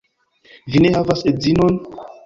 Vi ne havas edzinon?